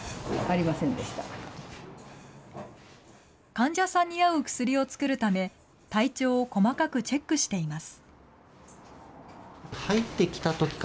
患者さんに合う薬を作るため、体調を細かくチェックしています。